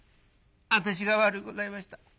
私が悪うございました。